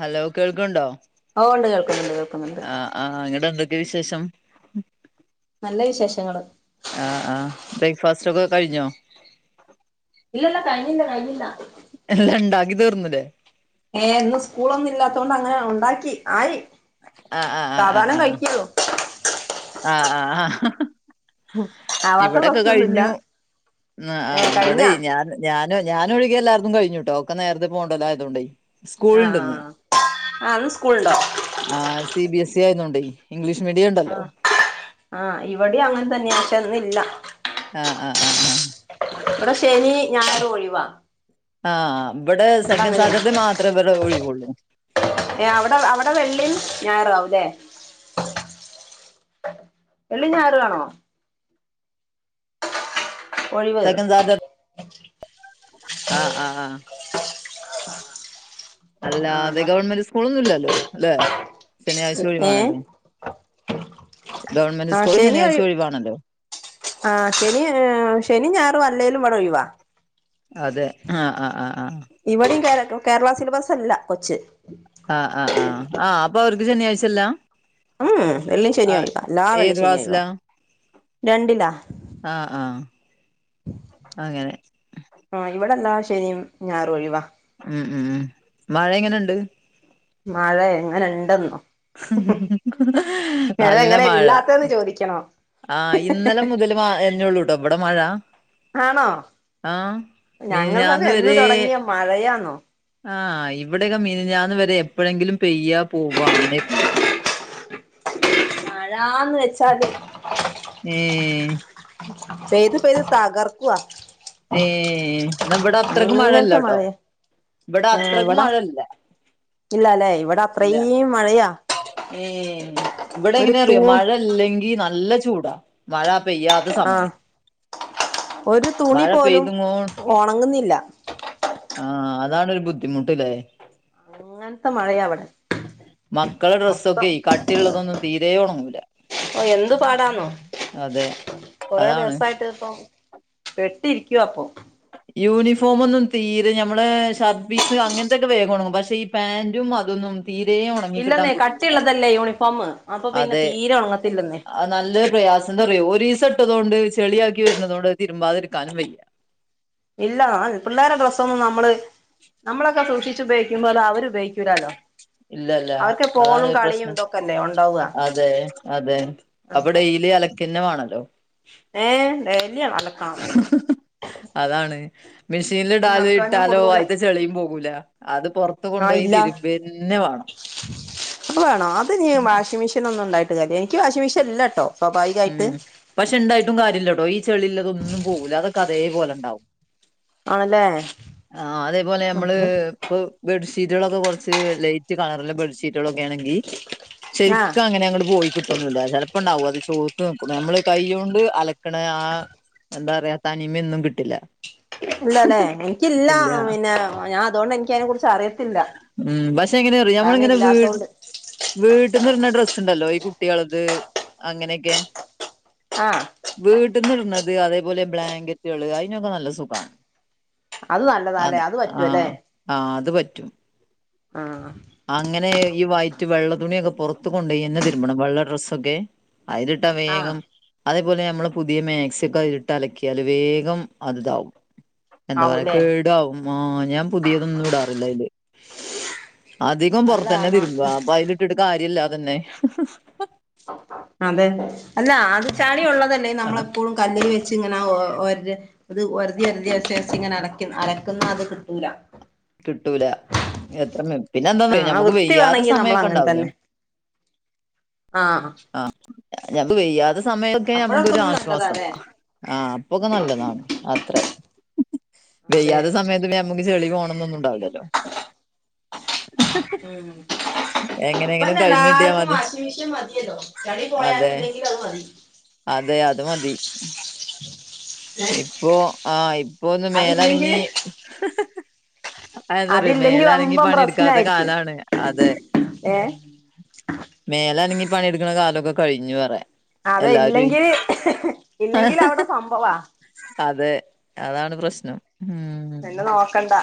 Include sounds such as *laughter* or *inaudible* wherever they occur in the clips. Hello കേൾക്ക്ണ്ടോ ഓണ്ട് കേൾക്ക്ന്ന്ണ്ട് കേൾക്ക്ന്ന്ണ്ട് ആ ന്ന്ട്ടെന്തൊക്കെ വിശേഷം നല്ല വിശേഷങ്ങള് ആ ആ ബ്രേക്ക്ഫാസ്‌റ്റോക്കെ കഴിഞ്ഞോ ഇല്ലല്ല കഴിഞ്ഞില്ല കഴിഞ്ഞില്ല എല്ലാണ്ടാക്കി തീർന്ന്ലെ ഏ ഇന്ന് സ്കൂളൊന്നുല്ലാത്തോണ്ടങ്ങനെ ഒണ്ടാക്കി ആയി ആഹ് സാവധാനം കഴിക്കൊള്ളു ആ ആ ആ ആവാത്ത ഇവിടൊക്കെ പ്രശ്നൊന്നുല്ല കഴിഞ്ഞു ഏ ഇവടെ കഴിഞ്ഞാ ഞാന് ഞാനോ ഞാനൊഴികെ എല്ലാര്തും കഴിഞ്ഞുട്ടോ ഒക്കെ നേര്ത്തെ പോണ്ടതായതോണ്ടെ ആ ആ ന്ന് സ്കൂള്ണ്ടോ ആ സി ബി എസ് ഇ ആയതോണ്ടേ ഇംഗ്ലീഷ് മീഡിയം ആ ണ്ടല്ലോ ആ ഇവടേം അങ്ങൻത്തെന്നെ പശെ ഇന്നില്ല ആ ആ ആ ആ ഇവടെ ശനി ഞായറും ഒയ്വാ ആ ഇവടെ സെക്കൻ സാറ്റർഡേ മാത്രെ ഇവടെ ഒയ്വുള്ളൂ ഏ അവടെ അവടെ വെള്ളീം ഞായറാവുലെ വെള്ളി ഞായറാണോ ഒയ്വ് ആ ആ ആ അല്ല ആ അതെ ഗവൺമെന്റ് സ്കൂളൊന്നുല്ലല്ലോ ല്ലെ ശനിയായ്ച ഏ ഒഴിവാണല്ലോ ഗവണ്മെന്റ് സ്കൂള് ശനിയായ്ച ഒഴിവാണല്ലോ ആ ശെനി ശെനിം ഞാറും അല്ലേലും ഇവടെ ഒയ്വാ അതെ ആ ആ ആ ആ ഇവിടിം കേ കേരള സിലബസ് അല്ല കൊച്ച് ആ ആ ആ ആ അപ്പ അവർക്ക് ശെനിയായ്ച്ച ഇല്ല ഉം വെള്ളി ശെനി ഒയ്വ എല്ലാ വെള്ളി ഏത് ശെനി ഒയ്വ ക്ലാസ്സിലാ രണ്ടില ആ ആ അങ്ങനെ ആ ഇവിടെല്ലാ ശെനിം ഞാറൊഴിവാ ഉം ഉം മഴ എങ്ങനെണ്ട് മഴ എങ്ങനെണ്ടെന്നോ നല്ല എങ്ങനെ മഴ ഇല്ലാത്തന്ന് ചോദിക്കണോ ആ ഇന്നലെ മുതൽ മാ ന്നെള്ളൂട്ടോ ഇവടെ മഴ ആണോ ആഹ് ഞങ്ങൾക്കൊക്കെ മിനിഞ്ഞാന്ന് എന്ന് തൊടങ്ങിയാ മഴയാന്നോ ആ ഇവിടെയൊക്കെ മിനിഞാന്ന് വരെ എപ്പോഴെങ്കിലും പെയ്യാ പോവ അങ്ങനെര്ന്നു മഴാന്ന് വെച്ചാത് ഏ പെയ്തു പെയ്ത് തകർക്കുവാ ഏ ന്നവടത്രക്ക് മഴല്ല അങ്ങനത്തെ ട്ടോ മഴയാ ഇവടത്രക്ക് മഴല്ല ഇല്ലലെ ഇവിടെ അത്രീം മഴയാ ഏ ഒരു ഇവടെങ്ങനെ തൂ അറിയോ മഴല്ലെങ്കി നല്ല ചൂടാ മഴ പെയ്യാത്ത സമയം ആഹ് ഒരു തുണി മഴ പോലും പെയ്തുങ്ങോ ഒണങ്ങുന്നില്ല ആ അതാണൊരു ബുദ്ധിമുട്ട്ലെ ങ്ങൻത്തെ മഴയാ ഇവടെ മക്കളെ ഡ്രസ്സൊക്കെ ഈ കട്ടിയുള്ളതൊന്നും തീരെ ഒണങ്ങൂല്ല ഓ എന്ത് പാടാന്നോ അതെ കൊറേ അതാണ് ദിവസായിട്ട് ഇപ്പം പെട്ടിരിക്കുവ അപ്പൊ യൂണിഫോമ ഒന്നും തീരെ നമ്മളെ ഷർട്ട് പീസ് അങ്ങനത്തൊക്കെ വേഗം ഒണങ്ങും പക്ഷെ ഈ പാന്റും അതൊന്നും തീരെ ഉണ ഇല്ലെന്നേ കട്ടിയുള്ളതല്ലേ യൂണിഫോമ് അപ്പൊ പിന്നെ തീരെ ഉണങ്ങത്തില്ലെന്നേ അഹ് നല്ല പ്രയാസംന്തറിയൊ ഒരീസട്ടതോണ്ട് ചെളിയാക്കി വര്ണതോണ്ട് തിരുമ്പതിടുക്കാനും വയ്യ ഇല്ല പിള്ളേരെ ഡ്രസ്സ ഒന്നും നമ്മള് നമ്മളൊക്കെ സൂക്ഷിച്ച് ഉപയോഗിക്കുമ്പോ അത് അവർ ഉപയോഗിക്കൂരല്ലോ ഇല്ലല്ല അതാണ് ഒരു പ്രശ്നം ഇതൊക്കെല്ലേ ഉണ്ടാവുക അതെ അതെ അപ്പ അപ്പൊ ഡെലി അലക്കന്നമാണല്ലോ ഏ ഡെയലി അലക്കണം അതാണ് മെഷീനിൽ ഡാല് അലക്കാഞ്ഞാ ഇട്ടാലോ കൊള്ളൂല അയിത്ത ചെളിയും പോകൂല്ല അത് പുറത്ത് ആ കൊണ്ടോയി ഇല്ല തിരുമ്പന്നെ വാണം *inaudible* അത് വേണം അത് ഞ്ഞ് വാഷിംഗ് മെഷീ ഒന്നും ഉണ്ടായിട്ട് കാര്യല്ല എനിക്ക് വാഷിമെഷീ ഇല്ലാട്ടോ ഉം പക്ഷെ ഇണ്ടായിട്ടും കാര്യല്ല ടോ ഈ ചെളില്ലതൊന്നും പോകൂല്ല അതൊക്കെ അതേപോലെ ഇണ്ടാവും ആണല്ലേ ആഹ് അതേപോലെ നമ്മള് ഇപ്പൊ ബെഡ്ഷീറ്റുകളൊക്കെ കുറച്ച് ലൈറ്റ് കളറില ബെഡ്ഷീറ്റുകളൊക്കെ ണെങ്കി ആഹ് ശരിക്കും അങ്ങനെ അങ്ങട് പോയി കിട്ടുംന്നുല്ല ചിലപ്പോ ഉണ്ടാവും അത് ചോ നമ്മള് കൈണ്ട് അലക്കണ ആഹ് എന്താ പറയാ തനിമയൊന്നും കിട്ടില്ല ഇല്ലല്ലേ എനിക്കില്ല ഇല്ല പിന്നെ ഞാൻ അതൊണ്ട് എനിക്ക അതിനെ കുറിച്ച് അറിയത്തില്ല ഉം താന ഇല്ല തോണ്ട് വീട്ട്ന്ന്ട്ണ ഡ്രസ് ഉണ്ടല്ലോ ഈ കുട്ട്യാള്ത് അങ്ങനെയൊക്കെ ആഹ് വീട്ട്ന്ന്ട്ണത് അതേപോലെ ബ്ലാങ്കറ്റ്കള് അയി നൊക്കെ നല്ല സുഖാണ് അത് അത നല്ലതാല്ലേ അത് പറ്റുവല്ലേ ആഹ് ആഹ് അത് പറ്റും ആഹ് അങ്ങനെ ഈ വയിറ്റ് വെള്ള തുണിയൊക്കെ പുറത്ത് കൊണ്ടോയന്നെ തിരുമ്പണം വെള്ള ഡ്രസ്സൊക്കെ അയി ഇട്ട ആഹ് വേഗം അതേപോലെ നമ്മള് പുതിയ മേക്സി ഒക്കെ അയില് ഇട്ട് അലക്കിയാല് വേഗം അത് താവും എന്താ പറയാ ആവൂല്ലേ കേടാവും മ്മാ ഞാ പുതിയതൊന്നും ഇടാറില്ല അയില് അധികം അല്ല പുറത്ത് തന്നെ എന്നാ തിരുമ്പ അപ്പൊ അയില് ഇട്ടിട്ട് കാര്യല്ലാതന്നെ അതെ അല്ല അത് ചളി ഉള്ളതല്ലേ ആ, നമ്മളെപ്പോളും കല്ലില് വെച്ച് ഇങ്ങനെ ഒര അത് ഒര്തി അര്തി ഒര്ച്ച് ഒര്ച്ച് ഇങ്ങനെ അല അലക്കുന്ന അത് കിട്ടൂല കിട്ടൂല എത്ര പിന്നെ എന്താ ആഹ് നമുക്ക് വൃത്തി വെയ്യാത്ത വേണമെങ്കിൽ നമ്മൾ സമയക്കെ അങ്ങനെ ഉണ്ടാവൂല്ലേ തന്നെ ആഹ് ആഹ് ഞ വെയ്യാതെ സമയൊക്കെ നമുക്ക് അപ്പഴൊക്കെ ഒരു ഒന്നും ആശ്വാസം നല്ലതാല്ലേ ആഹ് അപ്പൊക്കെ നല്ലതാണ് അത്രേ അതെ വെയ്യാത്ത സമയത്ത് പ്പിനെ നമ്മുക്ക് ചെളി പോണംന്നൊന്നും ഉണ്ടാവില്ലല്ലോ ഉം പ എങ്ങനെങ്കിലും കഴിഞ്ഞിട്ടിയാ എല്ലാർക്കും മതി വാഷിമിഷി മതിയല്ലോ ചളി പോയാലും അതെ ഇല്ലെങ്കിൽ അത് മതി അതെ അത് ഏ ഇപ്പോ ആഹ് ഇപ്പൊ ഒന്ന് അതില്ലെങ്കിൽ മേലനങ്ങി അതന്തറിയോ അതില്ലെങ്കി മേലനങ്ങി വമ്പം പണിടുക്കാത്ത പ്രശ്നായിരിക്കും കാലാണ് അതെ ഏ മേലനങ്ങി പണിയെട്ക്ക്ണ കാലക്കെ കഴിഞ്ഞു പറെ അത ഇല്ലെങ്കി ഇല്ലെങ്കിലവടെ സംഭവാ അതെ അതാണ് പ്രശ്നം കണ്ട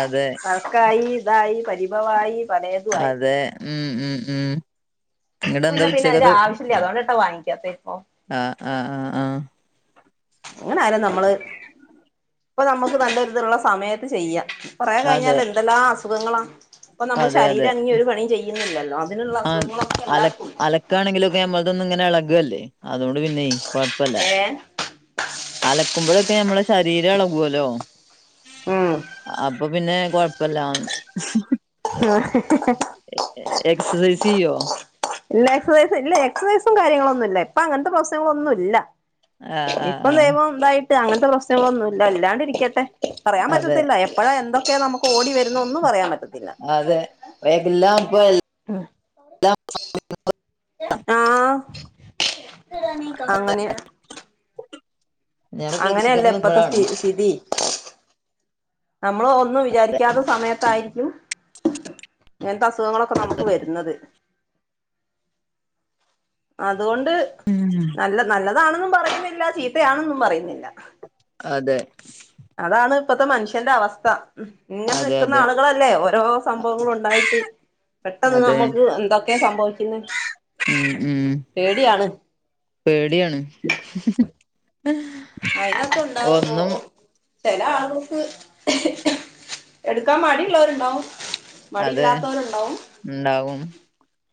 അതെ കയി ഇതായി പരിഭവായി. പലേതും ആയി അതെ ഉം ഉം ഉം നിങ്ങടെ എന്താ പിന്നെ പിന്നെ അവര് ഉച്ചക്കത്തെ ആവശ്യമില്ലേ അതുകൊണ്ട്ട്ടാ വാങിക്കതോ ഇപ്പൊ ആഹ ആഹ് ആഹ് ആഹ അങ്ങനെ ആലും നമ്മള് ഇപ്പൊ നമ്മുക്ക് നല്ല ഇതുള്ള സമയത്ത് ചെയ്യാം. കുയ അതെ കഴിഞ്ഞാൽ എന്തെല്ലാം അസുഖങ്ങളാ ഇപ്പൊ നമ്മൾ അതെ അതെ ശരീരം അങ്ങി ഒരു പണിയും ചെയ്യുന്നില്ലല്ലോ. ഇതിലുള്ള അസുഖങ്ങൾ എല്ലാവർക്കും ഉണ്ടാവും വക്കാണെങ്കിലൊക്കെ നമ്മ അതൊന്നും ഇങ്ങനെ ഇളകല്ലേ അതുകൊണ്ട് പിന്നെയ കൊഴപ്പല്ല. ഏഹ് അലക്കുമ്പോഴൊക്കെ നമ്മെ ശരീരം ഇളകുവല്ലോ. ഉം അപ്പൊ പിന്നെ കൊഴപ്പല്ല. *inaudible* എക്സസൈസ് ചെയ്യോ? ഇല്ല എക്സസൈസും ഇല്ല എക്സസൈസും കാര്യങ്ങളൊന്നുമ ഇപ്പ അങ്ങനത്തെ പ്രശ്നങ്ങളൊന്നും ഇല്ല. ആഹ് ആഹ് ഇപ്പൊ ആഹ് ദൈവം എന്തായി. അങ്ങനത്തെ പ്രശ്നങ്ങളൊന്നുമ ഇല്ല ഇല്ലാണ്ട് ഇരിക്കട്ടെ പറയാൻ അതെ പറ്റത്തില്ല. എപ്പോഴാ എന്തൊക്കെയ നമുക്ക്. കോ ഓടി വരുന്നു ഒന്നും പറയാൻ പറ്റത്തില്ല. അതെ എല്ലാം ഇപ്പൊ ആഹ അങ്ങനെ *inaudible* ഞമ്മള് അങ്ങനെയല്ല പ്രതീക്ഷിക്കാതെ ഇപ്പത്തെ സ്ഥ നിക്കുമ്പഴാണ് സ്ഥിതി. നമ്മൾ ഒന്നും വിചാരിക്കാത്ത സമയത്തായിരിക്കും. എങ്ങനന്ത അസുഖങ്ങളൊക്കെ അതെ നമുക്ക് വരുന്നത്. അതുകൊണ്ട് ഉം. നല്ല നല്ലതാണെന്നും പറയുന്നില്ല ചീത്തയാണും പറയുന്നില്ല. അതെ അതാണ് ഇപ്പത്തെ മനുഷ്യന്റെ അവസ്ഥ. ഉ ഇങ്ങനെ അതെ നിക്കുന്ന അതെ ആളുകളല്ലേ ഓരോ സംഭവങ്ങളും ഉണ്ടായിട്ട്. പെട്ടെന്ന് അതെ നമ്മുക്ക് എന്തൊക്കെയ സംഭവിക്കുന്ന് ഉം ഉം പേടിയാണ്. പേടിയാണ്. ഉം അയിനകത് ഉണ്ടാവ ഓ ഒന്നും ഓ ചില ആളുകൾക്ക് എടുക്കാൻ മടിഉളളവർണ്ടാവും. അതെ ഉണ്ടാവും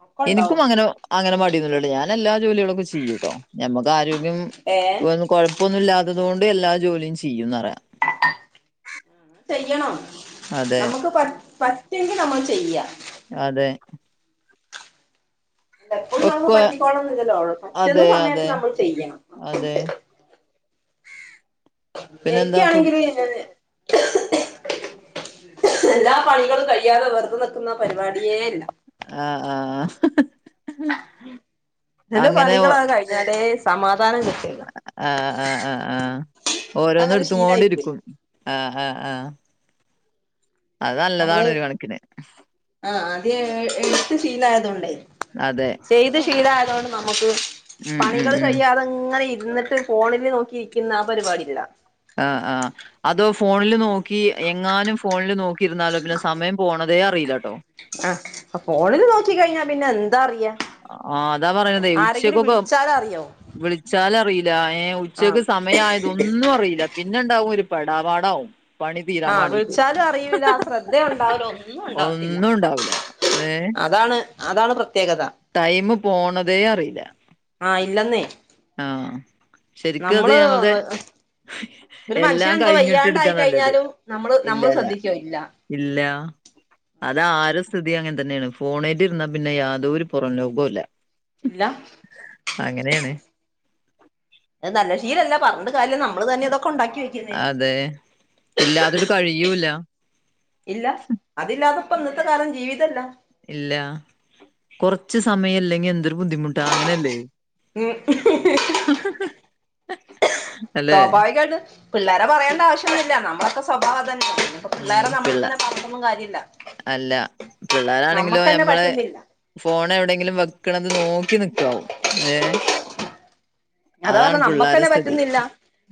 ഒക്കെ എനിക്കും ഉണ്ടാവും അങ്ങനെ. അങ്ങനെ മടിയൊന്നുമല്ല ഞാൻ എല്ലാ ജോലികളുംക്കെ ചെയ്യൂം കേട്ടോ ഞമ്മുക്ക് ആരോഗ്യം. ഏ ഇപ്പൊന്നും ഇല്ലാത്തതുകൊണ്ട്. എല്ലാ ജോലിയും ചെയ്യുംന്ന് അറിയാം ചെയ്യണം അതെ നമുക്ക് പറ്റെങ്കിൽ നമ്മൾ ചെയ്യാം. അതെ എപ്പോഴും നമുക്ക് ഒക്കെ പറ്റിക്കോണം എന്നില്ലല്ലോ പറ്റുന്ന അതെ സമയത്ത് അതെ നമ്മൾ ചെയ്യ. അതെ പിന്നെന്താ ഫുഡ് എനിക്കാണെങ്കില്. ന് എല്ലാ പണികളും കഴിയാതെ വെറുത നിക്കുന്ന പരിപാടിയേ ഇല്ല. ആഹ് ആഹ് ഉം എന്റെ പണികളാ കഴിഞ്ഞാലേ സമാധാനം കിട്ടാളു. ആഹ ആഹ് ആഹ് ആഹ ഓരോന്ന് അങ്ങനെ എടുത്ത് ശീലായി പോയി കൊണ്ടിരിക്കും. ആഹ് ആഹ് ആഹ് അത് നമ്മള് നല്ലതാണ് ഒരു കണക്കിന്. ആ ആദ്യ എടുത്ത് സീല ആയതുകൊണ്ട്. അതെ ചെയ്ത് ശീലയതുകൊണ്ട് നമുക്ക്. ഉം ഉം പണികൾ ഉം കഴിയാതെങ്ങനെ ഇരുന്നിട്ട് ഫോണില് നോക്കി ഇരിക്കുന്ന ആ പരിപാടില. ആ ആ് അതോ ഫോണിൽ നോക്കി എങ്ങാനും ഫോണിൽ നോക്കിയിരുന്നാലോ പിന്നെ സമയം പോണത്. അതേ അറിയില്ലാട്ടോ. ആഹ ഫോണില് നോക്കിക്കഴിഞ്ഞാ പിന്നെ എന്താറിയാ ആ അതാ പറയുന്നതേ ഉച്ചക്കൊക്കെ വിളിച്ചാലും അറിയോ വിളിച്ചാലറിയില്ല. ഏ ആ ഉച്ചക്ക് സ സമയായതൊന്നു അറീല പിന്നെ ഇണ്ടാവും ഒരു പെടാപാടാവും. പണി തീരാൻ ആഹ് വാണ്ടീട്ട് വിളിച്ചാലു അറിയൂല ശ്രദ്ധ യുണ്ടാവുല ഒന്നു ഇണ്ടാവത്തില്ല. ഒന്നും ഉണ്ടാവൂല അതാണ്, അതാണ് പ്രത്യേകത. ടൈം പോണതേ അറീല. ആഹ് ഇല്ലെന്നേ ആഹ് ശെരിക്കു അത് നമ്മള് നമ്മടെ ഒരു എല്ലാം മനുഷ്യന് എന്തോ കഴിഞ്ഞിട്ട് വയ്യാണ്ടായി ഇട്ക്ക് നല്ലത് കഴിഞ്ഞാലും നമ്മള് നമ്മള് ഇല്ലല്ല ശ്രദ്ധിക്കോ ഇല്ല ഇല്ലാ അത് ആര സ്ഥിതി അങ്ങൻ തന്നെയാണ് ഫോണേറ്റ് ഇര്ന്നാ പിന്നെ യാതൊരു പുറം ലോകവും ഇല്ല. ഇല്ല അങ്ങനെയാണ്. അഹ് നല്ല ശീലല്ല. പറഞ്ഞിട്ട് കാര്യല്ല നമ്മള് തന്നെ ഇതൊക്കെ ഉണ്ടാക്കി വെയ്ക്കുന്നേ. അതെ ഇല്ലാതൊട്ടു കഴിയൂല്ല. ഇല്ല അതില്ലാതെ ഇപ്പ ഇന്നത്തെ കാലം ജീവിതല്ല. ഇല്ല കൊറച്ച് സമയം ഇല്ലെങ്കി എന്തൊരു ബുദ്ധിമുട്ടാ അങ്ങനെ അല്ലേ ഉം *unintelligible* അല്ലെ സ്വാഭാവികാണ്. പിള്ളേരെ പറയേണ്ട ആവശ്യൊന്നുല്ല നമ്മളൊക്കെ സ്വഭാവം അതെന്നെ യാണ് അപ്പൊ ഉം പിള്ളേരെ പിള്ള നമ്മളിങ്ങനെ പറഞ്ഞിട്ടൊന്നും കാര്യല്ല അല്ല നമ്മക്ക്ന്നെ പറ്റുന്നില്ല. ഫോണ് എവിടെങ്കിലും വെക്ക്ണത് നോക്കി നക്കാവും ഏഹ് അതാ പറഞ്ഞ നമ്മക്ക്ന്നെ സ്ഥിതി. പറ്റുന്നില്ല.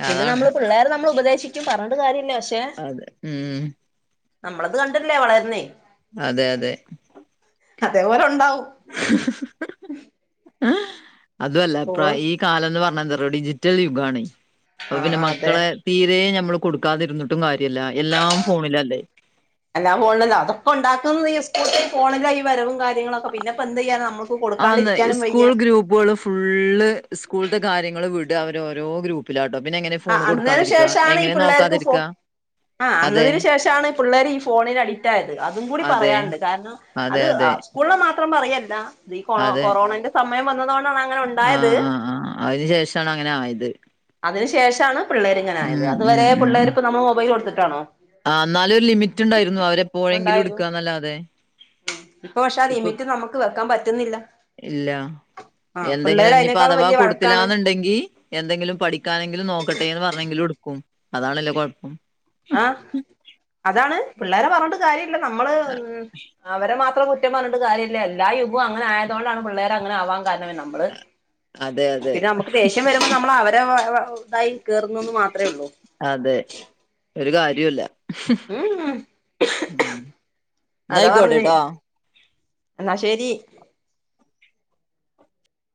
പിന്നെ അതാണ് നമ്മള് പിള്ളേരെ നമ്മൾ ഉപദേശിക്കും പർഞ്ഞിട്ട് കാര്യല്ല. പക്ഷെ അതെ ഉം നമ്മൾത് കണ്ടല്ലേ വളര്ണെ അതെ അതെ അതെ പോലെ ഉണ്ടാവും. അതു അല്ല ഇപ്പ ഫോൺ ഈ കാലംന്ന് പർഞ്ഞത് റെഡിജിറ്റൽ യുഗാണ് അപ്പൊ പിന്നെ ആഹ് അതെ മക്കളെ തീരെ നമ്മള് കൊടുക്കാതിരുന്നിട്ടും കാര്യല്ല, എല്ലാം ഫോണിലല്ലേ എല്ലാം ഫോണില് അതാ അതൊക്കെ ഉണ്ടാക്കുന്നുന്നത് ഈ സ്കൂൾത്തെ ഒരു ഫോണില ഈ വരവും കാര്യങ്ങളൊക്കെ പിന്നെപ്പോഎന്ത്യ്യാനാ നമ്മള് ആന്ന് സ്കൂൾ ഗ്രൂപ്പുകള് ഫുള്ള് സ്കൂൾത്തെ കാര്യങ്ങള് വിട് അവര് ഓരോ ഗ്രൂ പ്പിലാട്ടോ പിന്നെ എങ്ങനെ ഫോൺ ആഹ് അന്നതിന് കൊടുക്കാതിരിക്ക് എങ്ങനെ നോക്കാതിരിക്ക്. ആ അന്നതിന് ശേഷാണ് പിള്ളേര് ഈ ഫോണിന് അഡിക്റ്റ് ആയത് അതും കൂടി അതെ പറയാണ്ട് കാരണം അത് അതെ അതെ സ്കൂൾനെ മാത്രം പറയല്ല. ഇത് ഈ കൊ അതെ കൊറോണന്റെ സമയം വന്നതോണ്ടാണ് അങ്ങനെ ആഹ് ഉണ്ടായത് ആഹ് ആഹ് അയിന് ശേഷാണ് അങ്ങനെ ആയത്. അതിനു ശേഷാണ് പിള്ളേര് ഇങ്ങനെ ആയത്. ഉം അത് ഉം വരെ പിള്ളേര്പ്പ നമ്മള് മൊബൈല് കൊട്ത്തിട്ടാണോ. ആ ഇന്നാലു ഒരു ലിമിറ്റ് ഇണ്ടായിരുന്നു. അവര് എപ്പോയെങ്കിലും ഉണ്ടായിരുന്നു ഇട്ക്ക്ന്നല്ലാതെ ഇപ്പൊ പക്ഷെ ആ ലിമിറ്റ് നമുക്ക് വെക്കാൻ പറ്റുന്നില്ല. ഇല്ല ആ എന്തെങ്കിലും പിള്ളേര് ഇഞ്ഞ്പ്പ അതിനേക്കാളും അതവാ വലിയ വഴക്കാണ് കൊട്ത്ത്ലാന്ന്ണ്ടെങ്കി എന്തെങ്കിലും പഠിക്കാനെങ്കിലും നോക്കട്ടേന്ന് പർഞ്ഞെങ്കിലും എടുക്കും അതാണല്ലോ കൊഴപ്പം. ആഹ് അതാണ് പിള്ളേരെ പറഞ്ഞിട്ട് കാര്യല്ല, നമ്മള് ഉം അവരെ മാത്രം കുറ്റം പർഞ്ഞിട്ട് കാര്യല്ല എല്ലാ യുഗവും അങ്ങനെ ആയതോണ്ടാണ് പിള്ളേര് അങ്ങനെ ആവാൻ കാരണമേ നമ്മ - മ്മള്, അതെ അതെ പിന്നെ നമ്മക്ക് ദേഷ്യംവെര്മ്പ നമ്മള് അവരെ വ ഇതായി കേറുന്നൂന്ന് മാത്രേ ഒള്ളൂ. അതെ, ഒരു കാര്യോല്ല. ഉം ഇന്നായിക്കോട്ടെട്ടോ ഇന്നാ ശെരി.